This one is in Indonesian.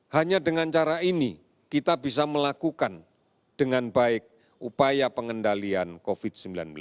hanya dengan cara ini kita bisa melakukan dengan baik upaya pengendalian covid sembilan belas